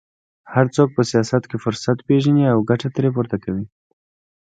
هر څوک په سیاست کې فرصت پېژني او ګټه ترې پورته کوي